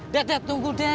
dad dad tunggu dad